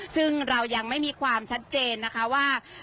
ซึ่งเรายังไม่มีความชัดเจนนะคะว่า